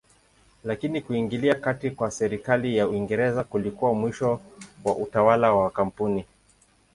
Lakini kuingilia kati kwa serikali ya Uingereza kulikuwa mwisho wa utawala wa kampuni.